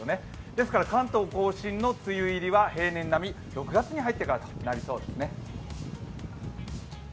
ですから関東甲信の梅雨入りは平年並み、６月に入ってからとなりそうですね